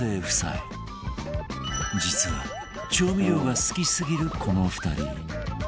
実は調味料が好きすぎるこの２人